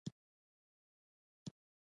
زبیر خپلې غواوې د څړ لپاره پټي ته راوستې.